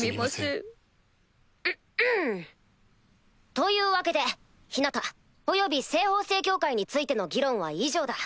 というわけでヒナタおよび西方聖教会についての議論は以上だ。